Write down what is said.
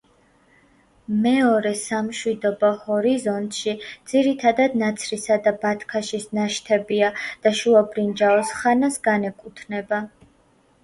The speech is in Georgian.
მეორე სამშვიდობო ჰორიზონტში ძირითადად ნაცრისა და ბათქაშის ნაშთებია და შუა ბრინჯაოს ხანას განეკუთვნება.